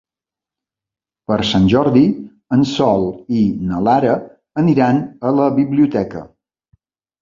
Per Sant Jordi en Sol i na Lara aniran a la biblioteca.